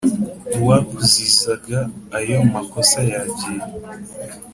Uwakuzizaga ayo makosa yagiye